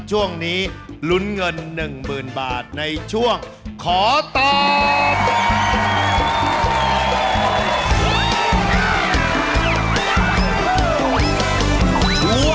ช่วงนี้ลุ้นเงิน๑๐๐๐บาทในช่วงขอตอบ